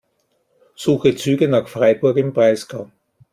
Suche Züge nach Freiburg im Breisgau.